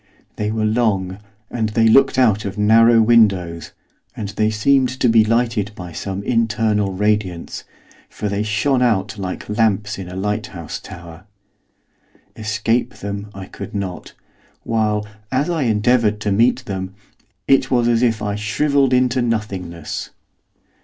They were long, and they looked out of narrow windows, and they seemed to be lighted by some internal radiance, for they shone out like lamps in a lighthouse tower. Escape them I could not, while, as I endeavoured to meet them, it was as if I shrivelled into nothingness.